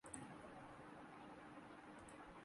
بیچارہ تیندوا چھپ چھپا کر زندگی گزار رہا تھا